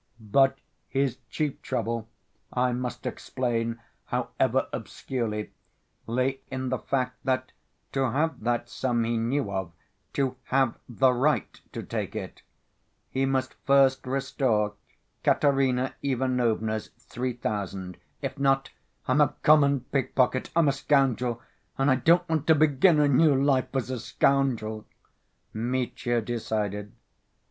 But his chief trouble, I must explain however obscurely, lay in the fact that to have that sum he knew of, to have the right to take it, he must first restore Katerina Ivanovna's three thousand—if not, "I'm a common pickpocket, I'm a scoundrel, and I don't want to begin a new life as a scoundrel," Mitya decided.